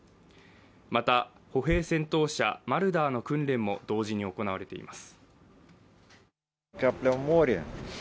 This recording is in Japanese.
また、歩兵戦闘車マルダーの訓練も同時に行われています。